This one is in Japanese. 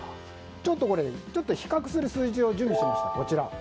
ちょっと比較する数字を準備しました。